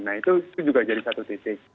nah itu juga jadi satu titik